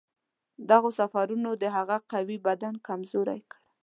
دغو سفرونو د هغه قوي بدن کمزوری کړ.